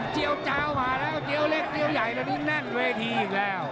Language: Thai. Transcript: วเจ้ามาแล้วเจี๊ยวเล็กเจียวใหญ่แล้วนี่แน่นเวทีอีกแล้ว